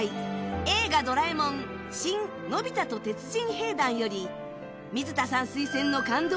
「映画ドラえもん新・のび太と鉄人兵団」より水田さん推薦の感動